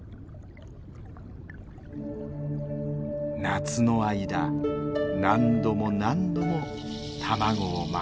夏の間何度も何度も卵を守ります。